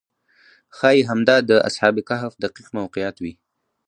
ښایي همدا د اصحاب کهف دقیق موقعیت وي.